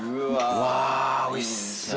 うわおいしそう！